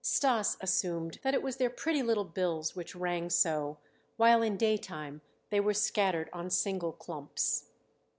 Stas assumed that it was their pretty little bills which rang so, while in daytime they were scattered on single clumps.